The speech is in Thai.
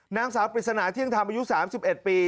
นางสาวปริศนาเที่ยงธรรมอายุ๓๑ปี